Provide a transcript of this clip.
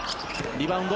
リバウンド。